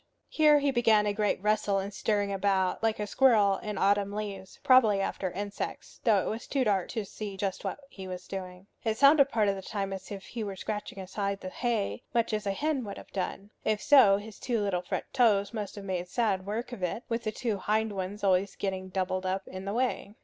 Here he began a great rustle and stirring about, like a squirrel in autumn leaves, probably after insects, though it was too dark to see just what he was doing. It sounded part of the time as if he were scratching aside the hay, much as a hen would have done. If so, his two little front toes must have made sad work of it, with the two hind ones always getting doubled up in the way.